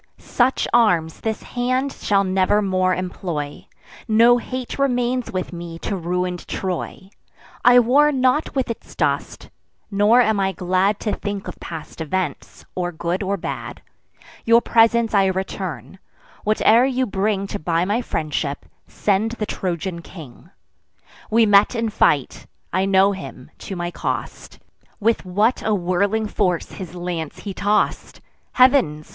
Such arms this hand shall never more employ; No hate remains with me to ruin'd Troy. I war not with its dust; nor am I glad To think of past events, or good or bad. Your presents I return: whate'er you bring To buy my friendship, send the Trojan king. We met in fight; I know him, to my cost: With what a whirling force his lance he toss'd! Heav'ns!